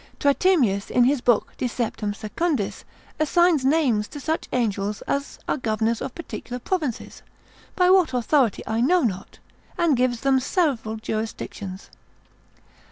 Tritemius in his book de septem secundis, assigns names to such angels as are governors of particular provinces, by what authority I know not, and gives them several jurisdictions.